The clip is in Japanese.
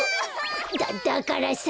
だだからさ！